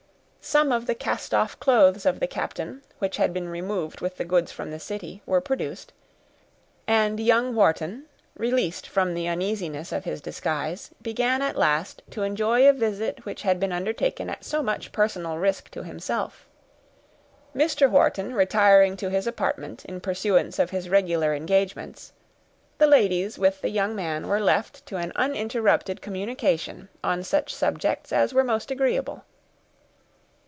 Some of the cast off clothes of the captain, which had been removed with the goods from the city, were produced; and young Wharton, released from the uneasiness of his disguise, began at last to enjoy a visit which had been undertaken at so much personal risk to himself. Mr. Wharton retiring to his apartment, in pursuance of his regular engagements, the ladies, with the young man, were left to an uninterrupted communication on such subjects as were most agreeable.